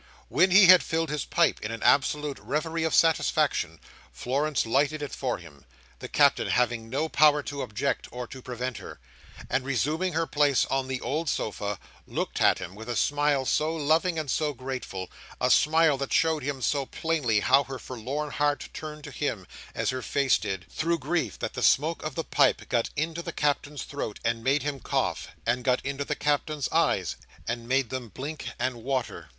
When he had filled his pipe in an absolute reverie of satisfaction, Florence lighted it for him—the Captain having no power to object, or to prevent her—and resuming her place on the old sofa, looked at him with a smile so loving and so grateful, a smile that showed him so plainly how her forlorn heart turned to him, as her face did, through grief, that the smoke of the pipe got into the Captain's throat and made him cough, and got into the Captain's eyes, and made them blink and water.